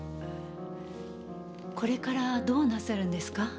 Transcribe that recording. これからどうなさるんですか？